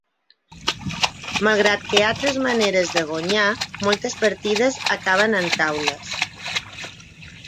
Malgrat que hi ha tres maneres de guanyar, moltes partides acaben en taules.